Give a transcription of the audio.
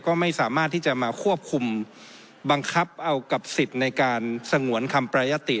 ก็ไม่สามารถที่จะมาควบคุมบังคับเอากับสิทธิ์ในการสงวนคำประยะติ